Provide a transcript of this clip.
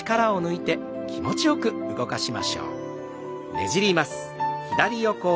ねじります。